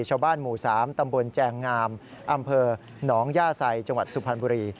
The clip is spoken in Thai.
ชาวบ้านหมู่๓ตำบลแจงงามอำเภอหนองย่าไซจังหวัดสุพรรณบุรี